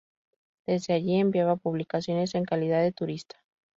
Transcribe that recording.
Desde allí enviaba publicaciones en calidad de turista.